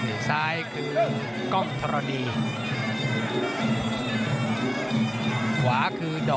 มันมีรายการมวยนัดใหญ่อยู่นัด